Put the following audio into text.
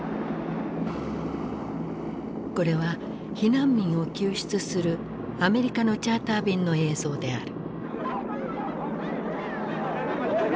これは避難民を救出するアメリカのチャーター便の映像である。